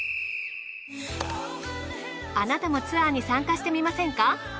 あなたもツアーに参加してみませんか？